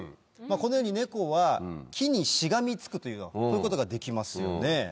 このようにネコは木にしがみつくというようなこういうことができますよね。